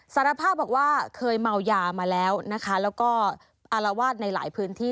สารภาพบอกว่าเคยเมายามาแล้วนะคะแล้วก็อารวาสในหลายพื้นที่